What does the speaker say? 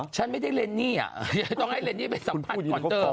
ฉันไม่ได้เร่นนี่อ่ะต้องให้เร่นนี่เป็นสัมพันธ์ของเธอ